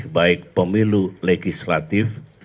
baik pemilu legislatif